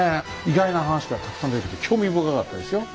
意外な話がたくさん出てきて興味深かったですよ。